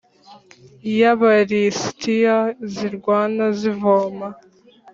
y Aba lisitiya zirwana zivoma